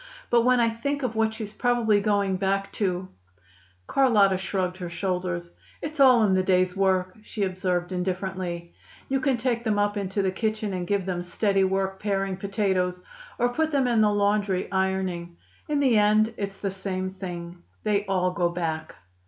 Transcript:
"But when I think of what she's probably going back to " Carlotta shrugged her shoulders. "It's all in the day's work," she observed indifferently. "You can take them up into the kitchen and give them steady work paring potatoes, or put them in the laundry ironing. In the end it's the same thing. They all go back."